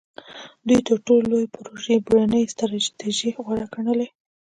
دوی تر لویو پروژو بېړنۍ ستراتیژۍ غوره ګڼلې.